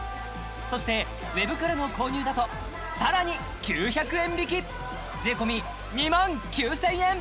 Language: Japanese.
そしてＷＥＢからの購入だとさらに９００円引き税込２９０００円